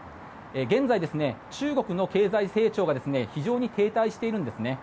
現在、中国の経済成長が非常に停滞しているんですね。